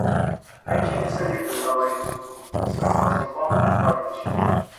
Нынче не советую говорить, — сказал Степан Аркадьич.